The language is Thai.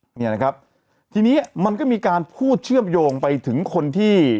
เนี่ยนะครับทีนี้มันก็มีการพูดเชื่อมโยงไปถึงคนที่